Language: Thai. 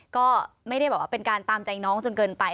ก็ไม่ได้แบบว่าเป็นการตามใจน้องจนเกินไป